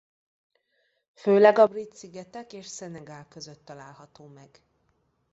Főleg a Brit-szigetek és Szenegál között található meg.